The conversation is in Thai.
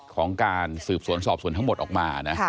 ของการสืบสวนสอบสวนทั้งหมดออกมานะ